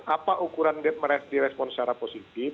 apa ukuran merespon secara positif